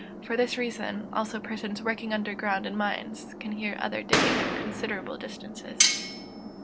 For this reason, also, persons working under ground in mines can hear each other digging at considerable distances.